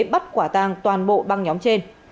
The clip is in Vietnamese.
bắt quả tàng toàn bộ băng nhóm trên